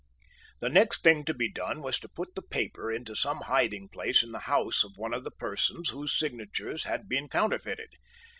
The next thing to be done was to put the paper into some hiding place in the house of one of the persons whose signatures had been counterfeited.